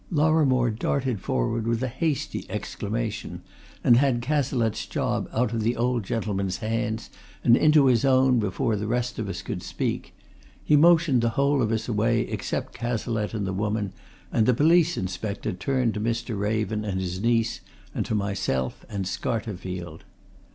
Lorrimore darted forward with a hasty exclamation, and had Cazalette's job out of the old gentleman's hands and into his own before the rest of us could speak. He motioned the whole of us away except Cazalette and the woman, and the police inspector turned to Mr. Raven and his niece, and to myself and Scarterfield.